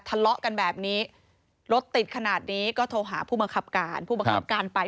ทะเลาะกันแบบนี้รถติดขนาดนี้ก็โทรหาผู้บังคับการผู้บังคับการไป